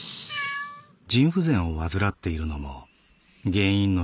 「腎不全を患っているのも原因の一つだろう」。